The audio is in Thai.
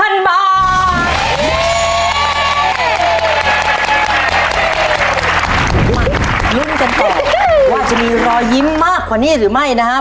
มาลุ้นกันต่อว่าจะมีรอยยิ้มมากกว่านี้หรือไม่นะครับ